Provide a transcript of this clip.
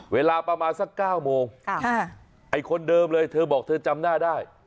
เวลาประมาณสัก๙โมงไอ้คนเดิมเลยเธอบอกเธอจำหน้าได้